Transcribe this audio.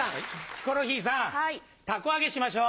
ヒコロヒーさん凧揚げしましょう。